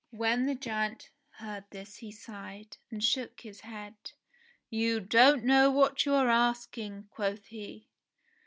When the giant heard this he sighed, and shook his head. "You don't know what you are asking," quoth he.